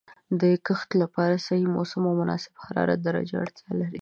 د کښت لپاره صحیح موسم او د مناسب حرارت درجه اړتیا لري.